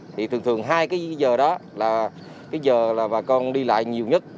thì thường thường hai cái giờ đó là cái giờ là bà con đi lại nhiều nhất